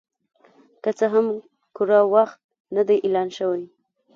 که څه هم کره وخت نه دی اعلان شوی